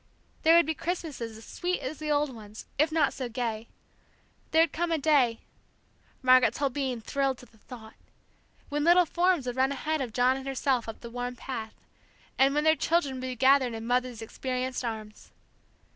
There would be Christmases as sweet as the old ones, if not so gay; there would come a day Margaret's whole being thrilled to the thought when little forms would run ahead of John and herself up the worn path, and when their children would be gathered in Mother's experienced arms!